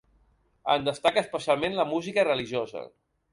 En destaca especialment la música religiosa.